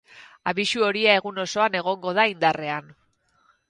Abisu horia egun osoan egongo da indarrean.